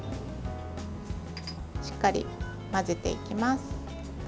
しっかり混ぜていきます。